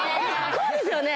こうですよね？